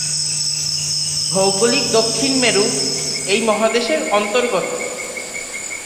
ভৌগোলিক দক্ষিণ মেরু এই মহাদেশের অন্তর্গত।